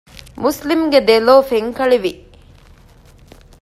މުސްލިމްގެ ދެލޯ ފެންކަޅިވި